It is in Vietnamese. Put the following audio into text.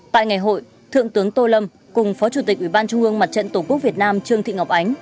tại ngày hội thượng tướng tô lâm cùng phó chủ tịch ủy ban trung ương mặt trận tổ quốc việt nam trương thị ngọc ánh